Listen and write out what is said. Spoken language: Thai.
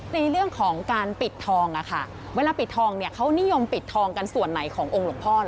ในเรื่องของการปิดทองเวลาปิดทองเขานิยมปิดทองกันส่วนไหนขององค์หลวงพ่อ